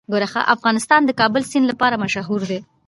افغانستان د د کابل سیند لپاره مشهور دی.